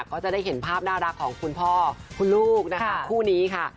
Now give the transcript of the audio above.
ก็จะได้เห็นภาพน่ารักของคุณพ่อคุณลูกนะคะคู่นี้ค่ะ